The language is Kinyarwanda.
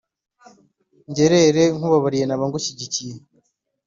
jye rere nkubabariye naba ngushyigikiye